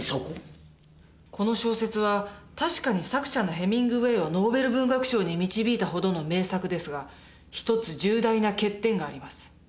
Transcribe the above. この小説は確かに作者のヘミングウェーをノーベル文学賞に導いたほどの名作ですが一つ重大な欠点があります。